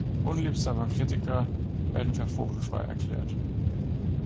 Unliebsame Kritiker werden für vogelfrei erklärt.